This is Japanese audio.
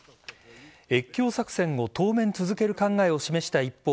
越境作戦を当面続ける考えを示した一方